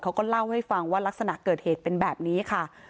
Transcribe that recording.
เขาก็เล่าให้ฟังว่ารักษณะเกิดเหตุเป็นแบบนี้ค่ะ